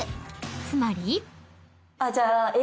［つまり］